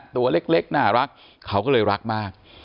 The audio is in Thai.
ตัวเล็กน่ารักเขาก็เลยรักมาก